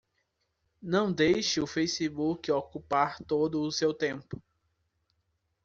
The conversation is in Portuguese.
Não deixe o Facebook ocupar todo o seu tempo.